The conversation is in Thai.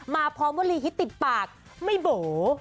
พร้อมวลีฮิตติดปากไม่โบ๋